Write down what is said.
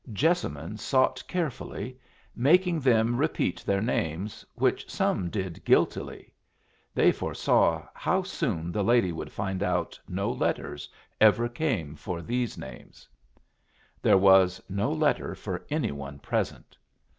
Jessamine sought carefully, making them repeat their names, which some did guiltily: they foresaw how soon the lady would find out no letters ever came for these names! There was no letter for any one present.